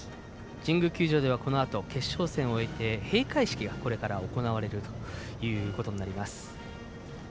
神宮球場ではこのあと決勝戦を終えて閉会式がこれから行われるということになります。